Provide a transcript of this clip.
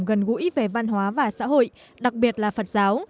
gần gũi về văn hóa và xã hội đặc biệt là phật giáo